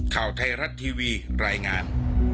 ข่าวไทยรัฐทีวีรายงาน